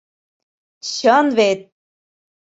Чын вет!